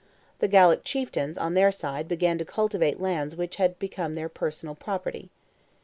The Gallic chieftains, on their side, began to cultivate lands which had become their personal property.